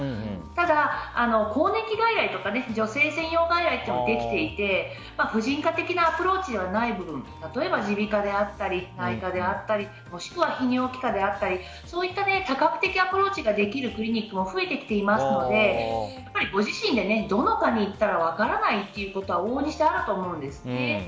ただ、更年期外来とか女性専用外来ができていて婦人科的なアプローチではない部分例えば耳鼻科であったり内科であったり泌尿器科であったりそういった多角的アプローチができるクリニックも増えてきていますのでご自身でどの科に行ったらいいか分からないことは往々にしてあると思うんですね。